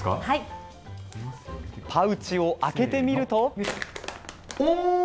パウチを開けてみると。